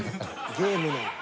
ゲームの。